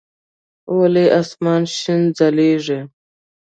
ولي اسمان شين ځليږي؟